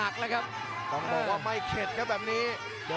แชลเบียนชาวเล็ก